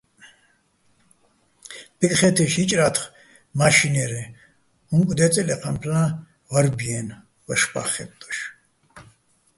ბეკხე́თეშ ჰ̦ი́ჭრა́თხ მაშინერეჼ, უ̂ნკ დე́წელო ეჴამფლა́ჼ ვარბი-აჲნო̆, ვაშბა́ხ ხე́ტტოშ.